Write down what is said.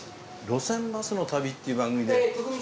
『路線バスの旅』っていう番組で。